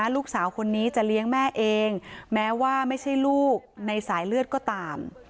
ลูกสาวคนนี้จะเลี้ยงแม่เองแม้ว่าไม่ใช่ลูกในสายเลือดก็ตาม